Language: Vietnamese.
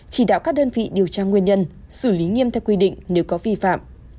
chỉ đạo các đơn vị điều tra nguyên nhân xử lý nghiêm theo quy định nếu có vi phạm